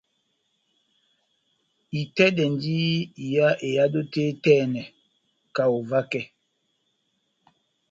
Itɛ́dɛndi iha ehádo tɛ́h etɛnɛ kaho vakɛ.